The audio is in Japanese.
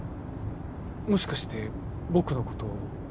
もしかして僕のこと？